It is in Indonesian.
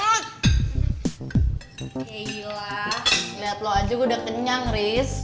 ya gila lihat lo aja gue udah kenyang ris